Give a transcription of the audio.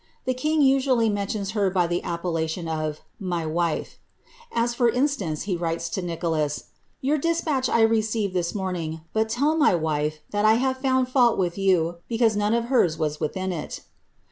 The king usually mentions her by the appellation of ^ my wife." As, for instance, he writes to Nicholas, ^ Your despatch I received this morning ; but tell my wife that I have found fault with you because none of hers was within it."